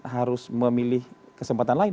harus memilih kesempatan lain